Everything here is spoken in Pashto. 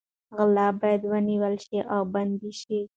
غله باید ونیول شي او بندي شي.